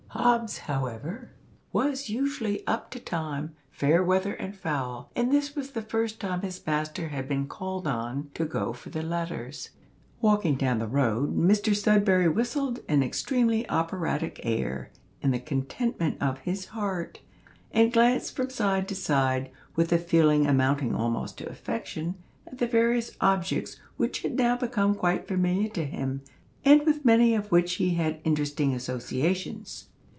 Hobbs, however, was usually up to time, fair weather and foul, and this was the first time his master had been called on to go for the letters. Walking down the road, Mr Sudberry whistled an extremely operatic air, in the contentment of his heart, and glanced from side to side, with a feeling amounting almost to affection, at the various objects which had now become quite familiar to him, and with many of which he had interesting associations.